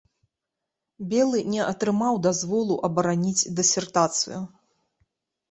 Белы не атрымаў дазволу абараніць дысертацыю.